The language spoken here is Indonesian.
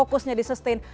fokusnya di sustain